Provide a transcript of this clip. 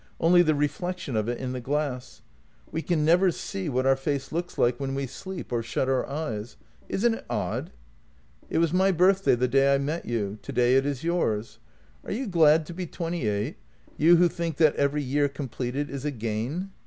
Only the reflection of it in the glass. We can never see what our face looks like when we sleep or shut our eyes — isn't it odd? It was my birthday the day I met you; today it is yours. Are you glad to be twenty eight, you who think that every year completed is a gain?